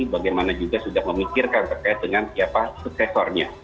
bagaimana juga sudah memikirkan terkait dengan siapa suksesornya